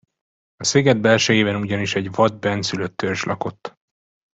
A sziget belsejében ugyanis egy vad bennszülött törzs lakott.